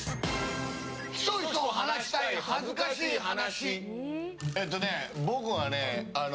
ひそひそ話したい恥ずかしい話。